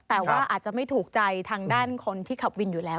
แต่ว่าอาจจะไม่ถูกใจทางด้านคนที่ขับวินอยู่แล้ว